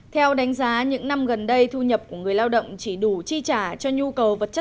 theo đánh giá những năm gần đây thu nhập của người lao động chỉ đủ chi trả cho nhu cầu vật chất